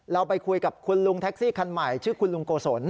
เราไปคุยกับคุณลุงแท็กซี่คันใหม่ชื่อคุณลุงโกศล